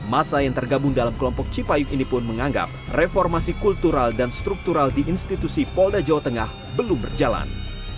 masa yang tergabung dalam kelompok cipayung ini pun menganggap reformasi kultural dan struktural di institusi polda jawa tengah belum berjalan